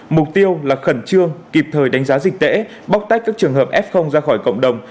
mục tiêu là khẩn trương kịp thời đánh giá dịch tễ bóc tách các trường hợp f ra khỏi cộng đồng